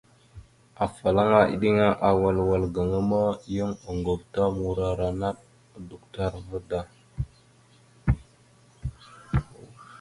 Afalaŋa eɗeŋa awal wal gaŋa ma, yan oŋgov ta morara naɗ a duktar da.